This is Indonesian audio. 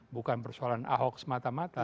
bukan persoalan ahok semata mata